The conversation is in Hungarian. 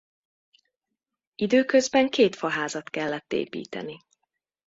Időközben két faházat kellett építeni.